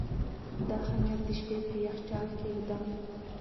زه خمیر د شپې په یخچال کې ږدم.